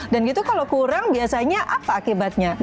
gitu kalau kurang biasanya apa akibatnya